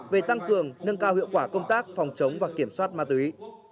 về tăng cường nâng cao hiệu quả công tác phòng chống và kiểm soát ma túy